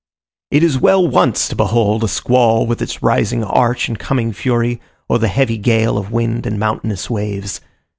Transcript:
It is well once to behold a squall with its rising arch and coming fury, or the heavy gale of wind and mountainous waves.